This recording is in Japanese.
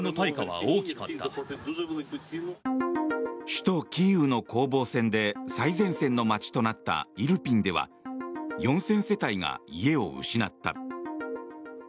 首都キーウの攻防戦で最前線の街となったイルピンでは４０００世帯が家を失った。